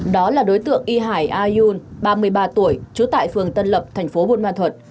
đó là đối tượng y hải a yun ba mươi ba tuổi chú tại phường tân lập thành phố buôn ma thuật